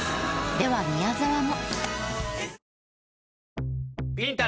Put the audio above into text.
では宮沢も。